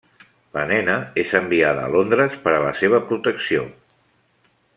La nena és enviada a Londres per a la seva protecció.